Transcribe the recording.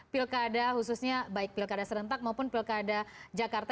pilkada khususnya baik pilkada serentak maupun pilkada jakarta